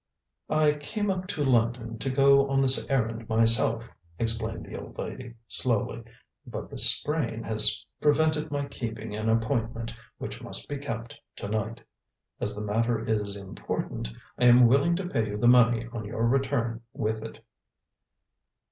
"I came up to London to go on this errand myself," explained the old lady slowly, "but this sprain has prevented my keeping an appointment which must be kept to night. As the matter is important, I am willing to pay you the money on your return with It."